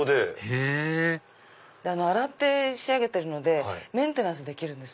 へぇ洗って仕上げてるのでメンテナンスできるんです。